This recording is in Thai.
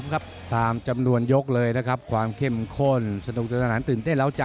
มาตั้งจำนวนที่เข้าของตีนี้เสิร์ฟอันนี้ตื่นเต้นต่าง